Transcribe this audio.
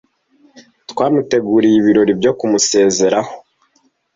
Twamuteguriye ibirori byo kumusezeraho.